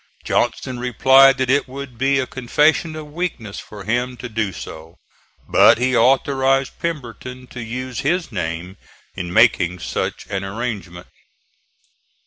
Johnston replied that it would be a confession of weakness for him to do so; but he authorized Pemberton to use his name in making such an arrangement.